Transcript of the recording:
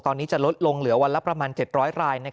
ตอนนี้จะลดลงเหลือวันละประมาณ๗๐๐ราย